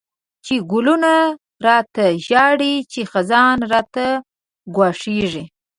چی ګلونه ړاته ژاړی، چی خزان راته ګواښيږی